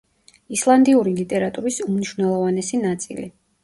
ისლანდიური ლიტერატურის უმნიშვნელოვანესი ნაწილი.